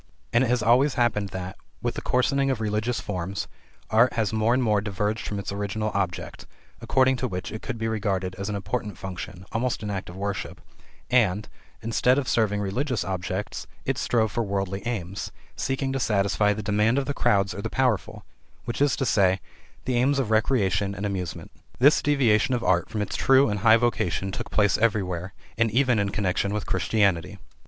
And it has always happened that, with the coarsening of religious forms, art has more and more diverged from its original object (according to which it could be regarded as an important function almost an act of worship), and, instead of serving religious objects, it strove for worldly aims, seeking to satisfy the demands of the crowd or of the powerful, i.e., the aims of recreation and amusement. This deviation of art from its true and high vocation took place everywhere, and even in connection with Christianity.